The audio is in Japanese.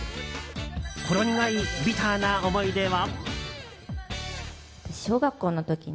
ほろ苦い、ビターな思い出は？